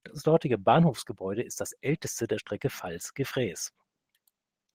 Das dortige Bahnhofsgebäude ist das älteste der Strecke Falls–Gefrees.